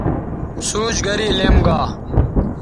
سوچ گرے لیم گا